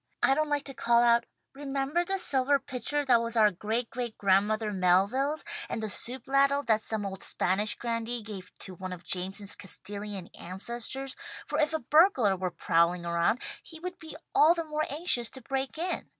"I don't like to call out 'remember the silver pitcher that was our great great grandmother Melville's, and the soup ladle that some old Spanish grandee gave to one of Jameson's Castilian ancestors,' for if a burglar were prowling around he would be all the more anxious to break in.